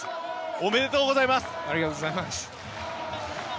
おめでとうございます！